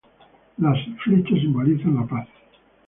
Las flechas simbolizan la paz.